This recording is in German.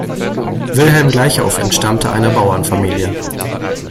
Wilhelm Gleichauf entstammte einer Bauernfamilie.